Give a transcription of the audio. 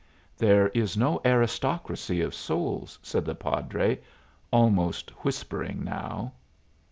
"There is no aristocracy of souls," said the padre, almost whispering now.